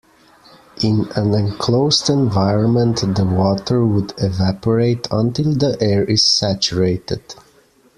In an enclosed environment the water would evaporate until the air is saturated.